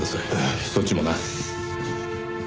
そっちもな。